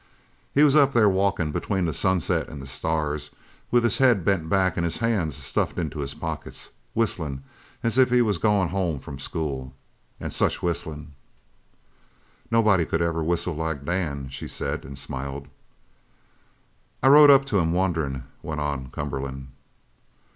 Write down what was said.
"He was up there walkin' between the sunset an' the stars with his head bent back, and his hands stuffed into his pockets, whistlin' as if he was goin' home from school. An' such whistlin'." "Nobody could ever whistle like Dan," she said, and smiled. "I rode up to him, wonderin'," went on Cumberland.